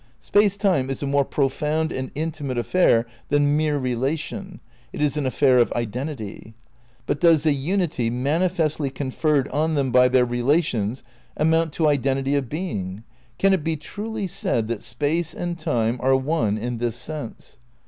Space Time is a more profound and intimate affair than mere relation; it is an affair of identity. But does the unity manifestly conferred on them by their relations amount to identity of being? Can it be truly said that Space and Time are one in this sense?